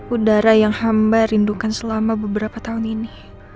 udara yang hamba rindukan selama beberapa tahun ini